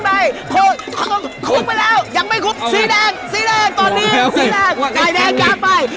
ตี๕ตื่นแล้วตี๕รับไปแล้วตอนนี้๖โมงเช้า